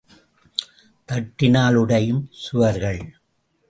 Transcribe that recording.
தட்டினால் உடையும் சுவர்கள்.